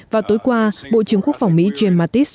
vào tối qua bộ trưởng quốc phòng mỹ james mattis